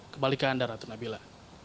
kembali ke anda ratu nabila